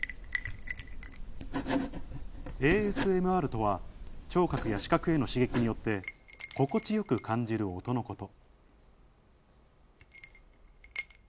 ＡＳＭＲとは聴覚や視覚への刺激によって心地よく感じる音のこと。